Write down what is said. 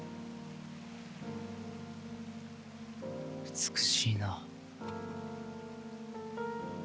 美しいな。